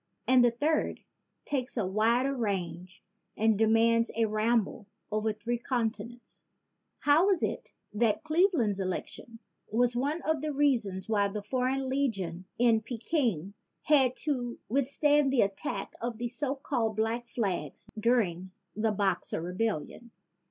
And the third takes a wider range and demands a ramble over three conti nents: How was it that Cleveland's election was one of the reasons why the foreign lega tions in Peking had to withstand the attacks of the so called Black Flags during the Boxer Rebellion?